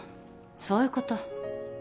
そういうこと。